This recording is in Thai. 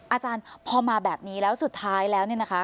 อาจารย์พอมาแบบนี้แล้วสุดท้ายแล้วเนี่ยนะคะ